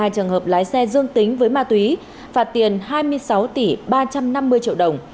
hai mươi trường hợp lái xe dương tính với ma túy phạt tiền hai mươi sáu tỷ ba trăm năm mươi triệu đồng